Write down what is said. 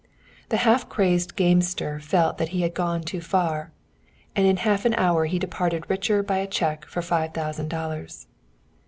The half crazed gamester felt that he had gone too far, and in half an hour he departed richer by a cheque for five thousand dollars.